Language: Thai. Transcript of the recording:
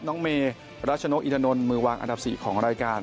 น้องเมรัชนกอินทนนท์มือวางอันดับ๔ของรายการ